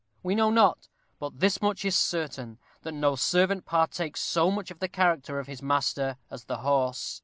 We know not, but this much is certain, that no servant partakes so much of the character of his master as the horse.